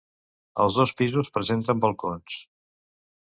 Els dos pisos presenten balcons.